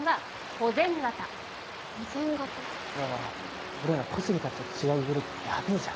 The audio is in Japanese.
おいおい俺ら小杉達と違うグループってヤベえじゃん